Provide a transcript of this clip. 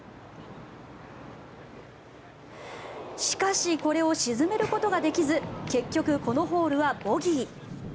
しかしこれを沈めることができず結局、このホールはボギー。